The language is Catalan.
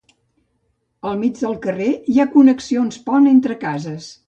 Al mig del carrer hi ha connexions pont entre cases.